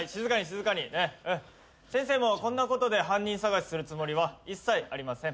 先生もこんなことで犯人捜しするつもりは一切ありません。